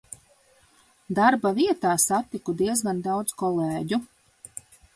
Darba vietā satiku diezgan daudz kolēģu.